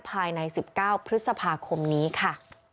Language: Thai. ภายใน๑๙พฤษภาคมนี้ค่ะ